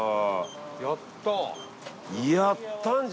やったー！